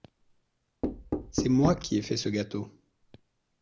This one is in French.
C’est moi qui ais fait ce gâteau.